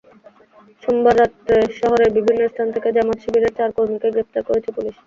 সোমবার রাতে শহরের বিভিন্ন স্থান থেকে জামায়াত-শিবিরের চার কর্মীকে গ্রেপ্তার করেছে পুলিশ।